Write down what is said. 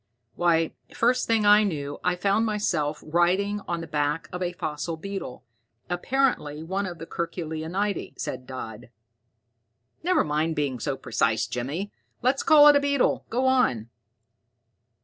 "Why, first thing I knew, I found myself riding on the back of a fossil beetle, apparently one of the curculionidae," said Dodd. "Never, mind being so precise, Jimmy. Let's call it a beetle. Go on."